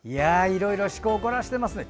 いろいろ趣向を凝らしてますね。